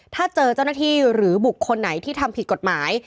ถ้าเจอเจ้าหน้าที่หรือบุคคลไหนที่ทำผิดกฎหมาย